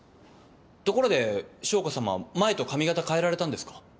ところで将子さま前と髪形変えられたんですか？